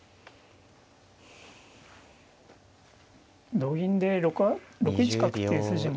同銀で６一角っていう筋も。